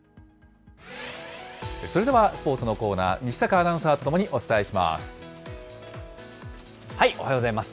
それでは、スポーツのコーナー、西阪アナウンサーと共にお伝えします。